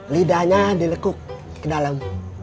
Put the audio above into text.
lidahnya dilekuk ke dalam